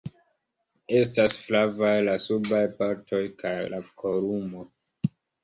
Estas flavaj la subaj partoj kaj la kolumo.